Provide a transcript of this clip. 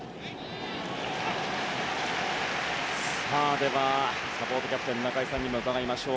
では、サポートキャプテンの中居さんにも伺いましょう。